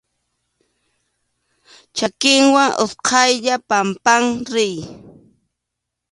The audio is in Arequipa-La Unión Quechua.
Chakiwan utqaylla pampan riy.